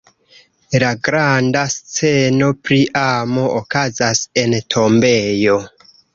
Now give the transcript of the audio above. La granda sceno pri amo, okazas en tombejo!